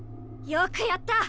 よくやった！